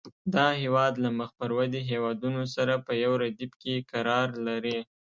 دا هېواد له مخ پر ودې هېوادونو سره په یو ردیف کې قرار لري.